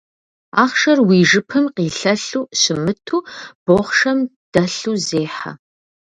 Ахъшэр уи жыпым къилъэлъу щымыту, бохъшэм дэлъу зехьэ.